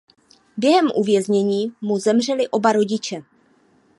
Během uvěznění mu zemřeli oba rodiče.